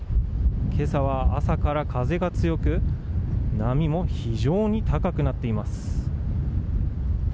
今朝は朝から風が強く波も非常に高くなっています。